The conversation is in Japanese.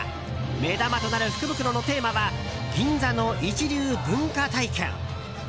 目玉となる福袋のテーマは銀座の一流文化体験。